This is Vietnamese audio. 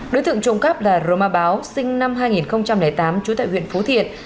đối tượng trộm cắp là roma báo sinh năm hai nghìn tám trú tại huyện phú thiện